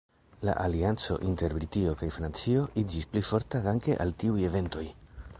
La alianco inter Britio kaj Francio iĝis pli fortaj danke al tiuj eventoj.